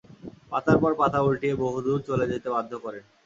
পাতার পর পাতা উল্টিয়ে বহুদূর চলে যেতে বাধ্য করেন।